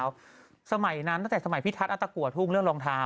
แล้วสมัยนั้นตั้งแต่สมัยพี่ทัศนอัตกัวทุ่งเรื่องรองเท้า